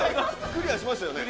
クリアしましたよね？